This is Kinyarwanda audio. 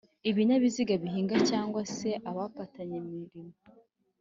ibinyabiziga bihinga cg se abapatanye imirimo